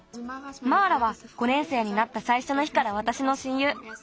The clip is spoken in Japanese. マーラは５年生になったさいしょの日からわたしのしんゆう。